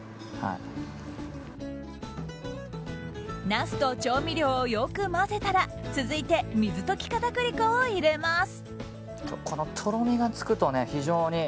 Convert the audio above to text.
ナスと調味料をよく混ぜたら続いて、水溶き片栗粉を入れます。